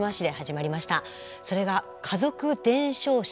それが「家族伝承者」。